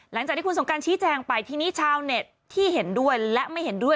หลังจากที่คุณสงการชี้แจงไปทีนี้ชาวเน็ตที่เห็นด้วยและไม่เห็นด้วย